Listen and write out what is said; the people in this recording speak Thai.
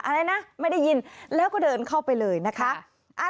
อะไรนะไม่ได้ยินแล้วก็เดินเข้าไปเลยนะคะ